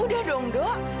udah dong dok